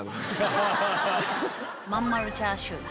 真ん丸チャーシューだ。